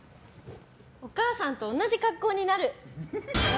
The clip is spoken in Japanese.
お義母さんと同じ格好になる！